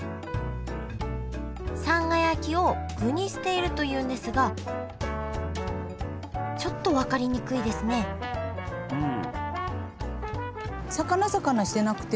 さんが焼きを具にしているというんですがちょっと分かりにくいですねうん。